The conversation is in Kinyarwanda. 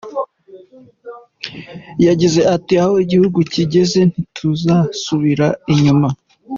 Yagize ati “Aho igihugu kigeze ntituzasubira inyuma.